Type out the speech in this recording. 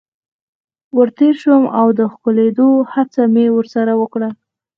ور تیر شوم او د ښکلېدلو هڅه مې ورسره وکړه.